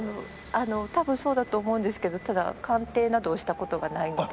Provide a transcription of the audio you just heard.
多分そうだと思うんですけどただ鑑定などをした事がないので。